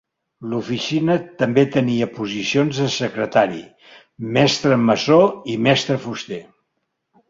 L'oficina també tenia posicions de Secretari, mestre Masó i mestre Fuster.